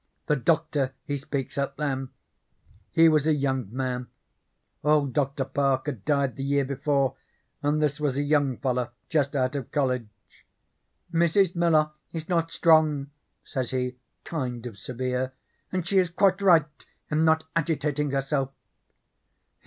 "The Doctor he speaks up then. He was a young man. Old Doctor Park had died the year before, and this was a young fellow just out of college. 'Mrs. Miller is not strong,' says he, kind of severe, 'and she is quite right in not agitating herself.'